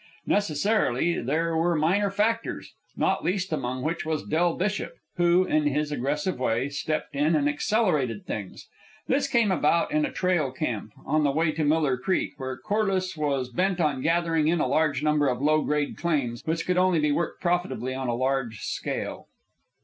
Necessarily, there were minor factors, not least among which was Del Bishop, who, in his aggressive way, stepped in and accelerated things. This came about in a trail camp on the way to Miller Creek, where Corliss was bent on gathering in a large number of low grade claims which could only be worked profitably on a large scale.